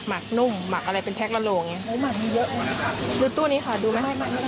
หักนุ่มหมักอะไรเป็นแก๊กละโรงอย่างเงี้หมักเยอะคือตู้นี้ค่ะดูไหม